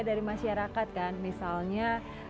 dari masyarakat dan misalnya